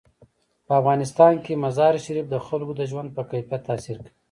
په افغانستان کې مزارشریف د خلکو د ژوند په کیفیت تاثیر کوي.